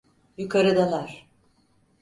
Yukarıdalar.